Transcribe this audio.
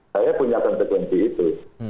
saya punya konsekuensi itu